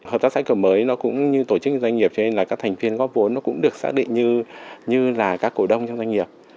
hợp tác xã cửa mới nó cũng như tổ chức doanh nghiệp cho nên là các thành viên góp vốn nó cũng được xác định như là các cổ đông trong doanh nghiệp